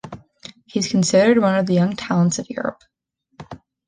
He’s considered one of the young talents of Europe.